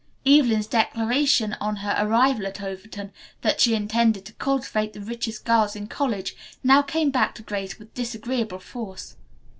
Evelyn's declaration on her arrival at Overton that she intended to cultivate the richest girls in college now came back to Grace with disagreeable force.